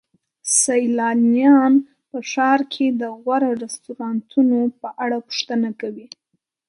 سیلانیان په ښار کې د غوره رستورانتونو په اړه پوښتنه کوي.